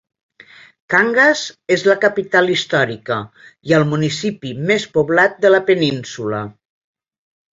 Cangas és la capital històrica i el municipi més poblat de la península.